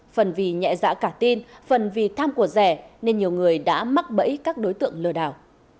phần vì nhẹ dạ cả tin phần vì tham của rẻ nên nhiều người đã mắc bẫy các đối tượng lừa đảo